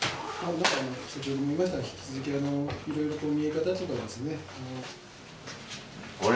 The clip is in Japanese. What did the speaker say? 先ほども言いましたように引き続きいろいろと見え方とかですね。